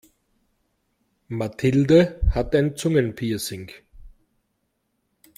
Mathilde hat ein Zungenpiercing.